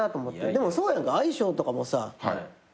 でもそうやんか愛荘とかもさ。